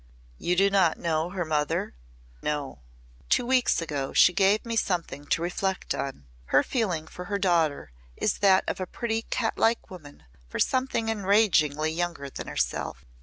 "You do not know her mother?" "No." "Two weeks ago she gave me something to reflect on. Her feeling for her daughter is that of a pretty cat like woman for something enragingly younger than herself.